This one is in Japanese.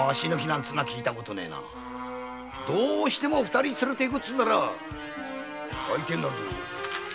どうしても二人を連れていくなら相手になるぜ。